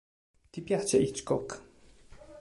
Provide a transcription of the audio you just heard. Ti piace Hitchcock?